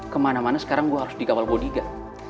kemana mana sekarang gue harus dikawal bodiga